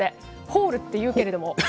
ホールっていうけれども。